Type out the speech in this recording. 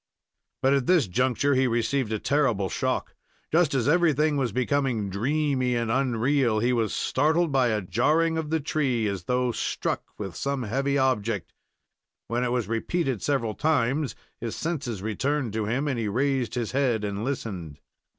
But at this juncture he received a terrible shock. Just as everything was becoming dreamy and unreal, he was startled by a jarring of the tree, as though struck with some heavy object. When it was repeated several times, his senses returned to him, and he raised his head and listened.